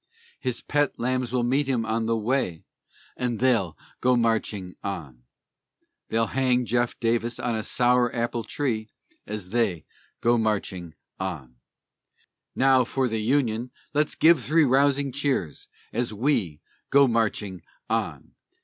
His pet lambs will meet him on the way, And they'll go marching on. They'll hang Jeff Davis on a sour apple tree, As they go marching on. Now for the Union let's give three rousing cheers, As we go marching on.